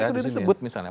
sudah tersebut misalnya